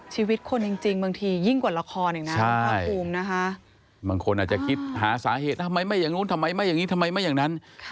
ชีวิตคนจริงบางทียิ่งกว่าละครอีกนะคุณภาคภูมินะคะบางคนอาจจะคิดหาสาเหตุทำไมไม่อย่างนู้นทำไมไม่อย่างนี้ทำไมไม่อย่างนั้น